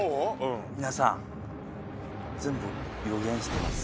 皆さん全部予言してます。